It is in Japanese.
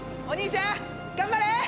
お兄ちゃん頑張れ！